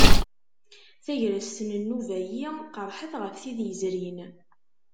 Tagrest n nnuba-ayi qerrḥet ɣef tid yezrin.